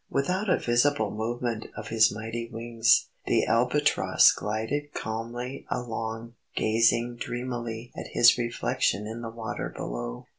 Without a visible movement of his mighty wings, the Albatross glided calmly along, gazing dreamily at his reflection in the water below.